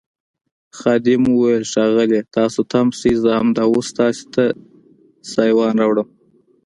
خادم وویل ښاغلیه تاسي تم شئ زه همدا اوس تاسي ته سایبان راوړم.